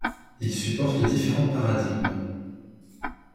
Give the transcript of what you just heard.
Il supporte différents paradigmes.